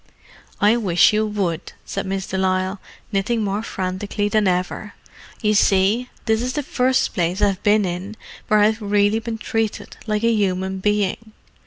"I wish you would," said Miss de Lisle, knitting more frantically than ever. "You see, this is the first place I've been in where I've really been treated like a human being.